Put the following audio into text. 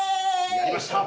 やりました！